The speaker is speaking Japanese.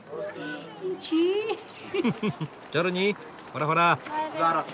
ほらほら。